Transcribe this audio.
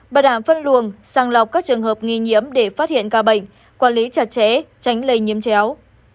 bảo đảm phân luồng sàng lọc các trường hợp nghi nhiễm để phát hiện ca bệnh quản lý chặt chẽ tránh lây nhiễm chéo